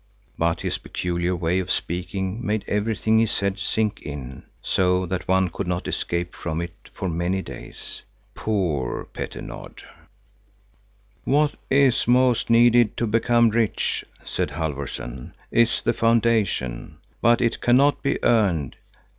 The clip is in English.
But his peculiar way of speaking made everything he said sink in, so that one could not escape from it for many days. Poor Petter Nord! "What is most needed to become rich," said Halfvorson, "is the foundation. But it cannot be earned.